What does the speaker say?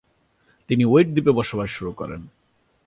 তিনি ওয়িট দ্বীপে বসবাস শুরু করেন।